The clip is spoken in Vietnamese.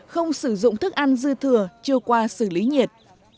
không sử dụng thức ăn dư thừa chưa qua xử lý nhiệt